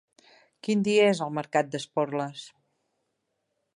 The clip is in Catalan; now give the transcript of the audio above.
Quin dia és el mercat d'Esporles?